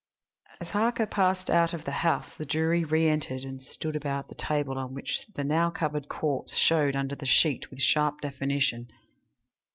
As Harker passed out of the house the jury reentered and stood about the table on which the now covered corpse showed under the sheet with sharp definition.